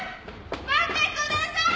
待ってください！